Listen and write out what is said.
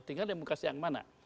tinggal demokrasi yang mana